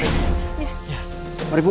terima kasih pak